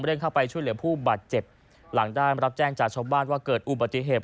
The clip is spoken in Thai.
เข้าไปช่วยเหลือผู้บาดเจ็บหลังได้รับแจ้งจากชาวบ้านว่าเกิดอุบัติเหตุ